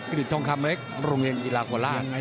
กระดิษฐ์ทองคำลงเย็นหลากว่าลาด